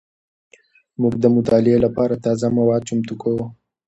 موږ د مطالعې لپاره تازه مواد چمتو کوو.